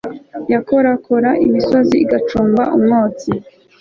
yakorakora imisozi igacumba umwotsi